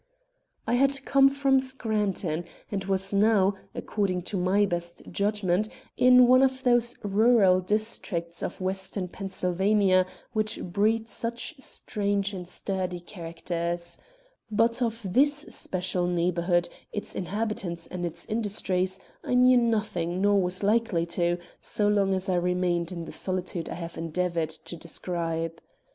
I had come from Scranton and was now, according to my best judgment, in one of those rural districts of western Pennsylvania which breed such strange and sturdy characters. But of this special neighborhood, its inhabitants and its industries, I knew nothing nor was likely to, so long as I remained in the solitude I have endeavored to describe.